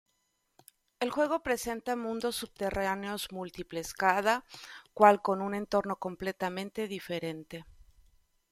El juego presenta mundos subterráneos múltiples, cada cual con un entorno completamente diferente.